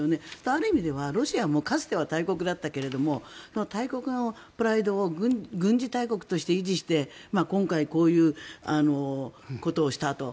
ある意味ではロシアもかつては大国だったけれども大国のプライドを軍事大国として維持して今回、こういうことをしたと。